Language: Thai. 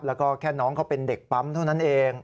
แล้วก็แค่น้องเขาเป็นเด็กปั๊มเท่านั้นเอง